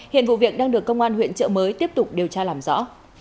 hiện vụ việc đang được công an huyện trợ mới tiếp tục điều tra làm rõ